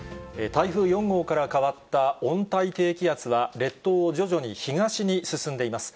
台風４号から変わった温帯低気圧は、列島を徐々に東に進んでいます。